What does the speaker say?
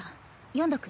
読んどく。